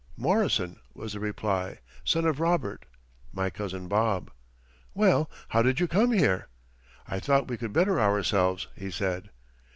"Morrison," was the reply, "son of Robert" my cousin Bob. "Well, how did you come here?" "I thought we could better ourselves," he said.